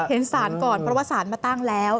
เห็นสารก่อนเพราะว่าสารมาตั้งแล้ว